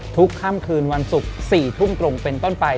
ค่ำคืนวันศุกร์๔ทุ่มตรงเป็นต้นไป